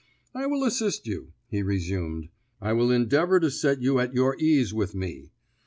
"I will assist you," he resumed; "I will endeavour to set you at your ease with me.